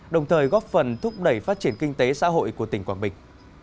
đồng thời góp phần thúc đẩy phát triển kinh tế xã hội của tỉnh quảng bình